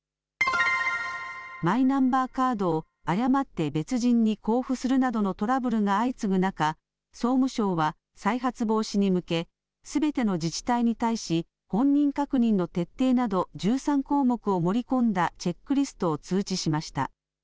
マイナンバーカードを誤って別人に交付するなどのトラブルが相次ぐ中、総務省は再発防止に向け、すべての自治体に対し本人確認の徹底など１３項目を盛り込んだチェックリストを通知しました。